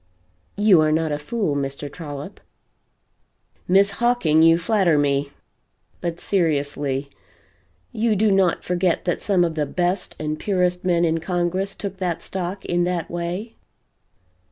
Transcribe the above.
You are not a fool, Mr. Trollop." "Miss Hawking you flatter me. But seriously, you do not forget that some of the best and purest men in Congress took that stock in that way?"